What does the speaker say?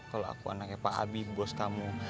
kalau aku anaknya pak abi bos kamu